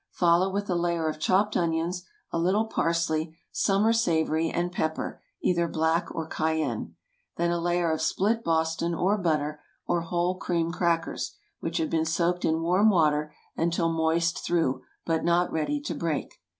Follow with a layer of chopped onions, a little parsley, summer savory, and pepper, either black or cayenne. Then a layer of split Boston, or butter, or whole cream crackers, which have been soaked in warm water until moist through, but not ready to break.